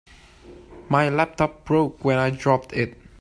My laptop broke when I dropped it.